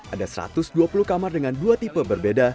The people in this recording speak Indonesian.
ada satu ratus dua puluh kamar dengan dua tipe berbeda